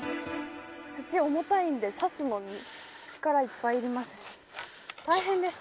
土、重たいので刺すのに力がいっぱいいりますし大変です。